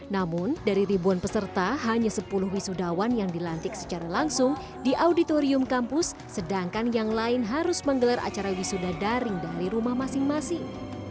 namun dari ribuan peserta hanya sepuluh wisudawan yang dilantik secara langsung di auditorium kampus sedangkan yang lain harus menggelar acara wisuda daring dari rumah masing masing